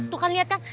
tuh kan liat kan